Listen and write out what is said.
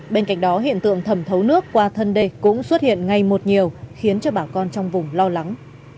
bên cạnh đó hiện tượng thẩm thấu nước qua thân đê cũng xuất hiện ngay một nhiều khiến cho bà con trong vùng lo lắng